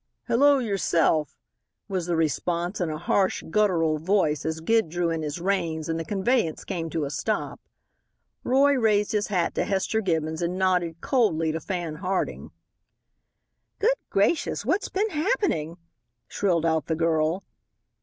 "Hello, yourself," was the response in a harsh, gutteral voice as Gid drew in his reins and the conveyance came to a stop. Roy raised his hat to Hester Gibbons and nodded coldly to Fan Harding. "Good gracious, what's been happening?" shrilled out the girl.